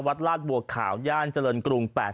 วัดลาดบวกข่าวย่านเจริญกรุง๘๑